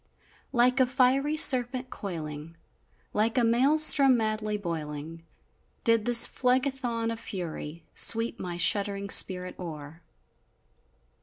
Like a fiery serpent coiling, Like a Maelstrom madly boiling, Did this Phlegethon of fury Sweep my shuddering spirit o'er!